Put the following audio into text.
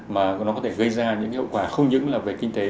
mà nó có thể gây ra những hậu quả không những là về kinh tế